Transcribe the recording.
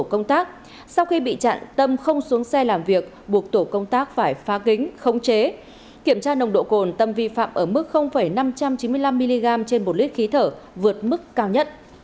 công an tp bắc giang đang tạm giữ nguyễn thanh tâm vi phạm nồng độ cồn